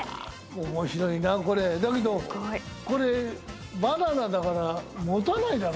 面白いなこれだけどこれバナナだから持たないだろ？